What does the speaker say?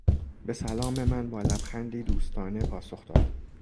به سلام من با لبخندی دوستانه پاسخ داد.